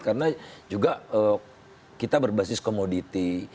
karena juga kita berbasis komoditi